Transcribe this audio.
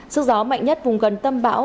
sức gió mạnh nhất vùng gần tầm bão